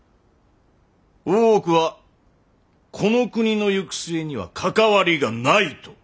大奥はこの国の行く末には関わりがないと。